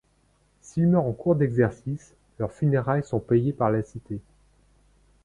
S’ils meurent en cours d’exercice, leurs funérailles sont payées par la cité.